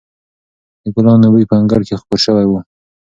د ګلانو بوی په انګړ کې خپور شوی و.